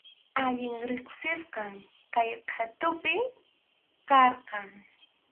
Allin riqsisqam kay qhatupi karqan.